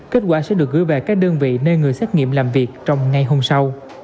kết quả sẽ được gửi về các đơn vị nơi người xét nghiệm làm việc trong ngay hôm sau